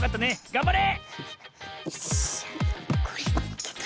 がんばれ！